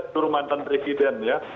tur mantan presiden ya